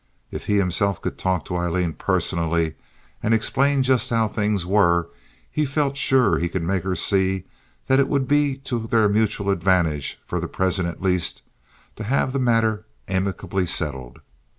If he himself could talk to Aileen personally and explain just how things were, he felt sure he could make her see that it would be to their mutual advantage, for the present at least, to have the matter amicably settled.